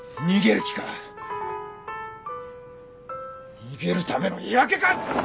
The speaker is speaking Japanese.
逃げるための言い訳か！？